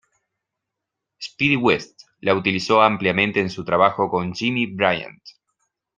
Speedy West la utilizó ampliamente en su trabajo con Jimmy Bryant.